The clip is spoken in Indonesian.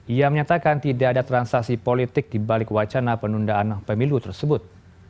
ia menyatakan tidak ada transaksi politik dibalik wacana penundaan pemilu tersebut